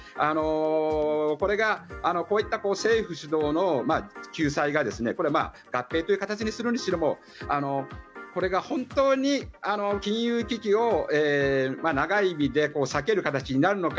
これが、こういった政府主導の救済が合併という形にするにしてもこれが本当に金融危機を長い意味で避ける形になるのか。